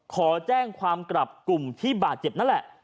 ขอแจ้งความกลับกลุ่มที่บาดเจ็บนั่นแหละ